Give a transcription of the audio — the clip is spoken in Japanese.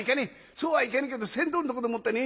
そうはいかねえけど船頭のとこでもってね